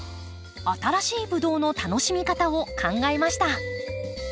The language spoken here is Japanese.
新しいブドウの楽しみ方を考えました。